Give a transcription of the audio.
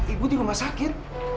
ibu di rumah sakit